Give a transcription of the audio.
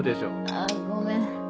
あぁごめん。